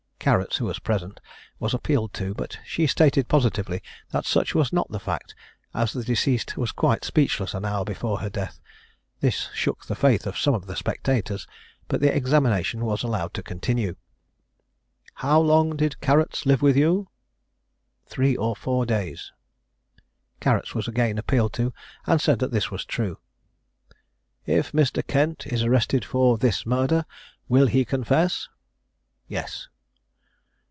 [Carrots, who was present, was appealed to; but she stated positively that such was not the fact, as the deceased was quite speechless an hour before her death. This shook the faith of some of the spectators, but the examination was allowed to continue.] "How long did Carrots live with you?" "Three or four days." [Carrots was again appealed to, and said that this was true.] "If Mr. Kent is arrested for this murder, will he confess?" "Yes."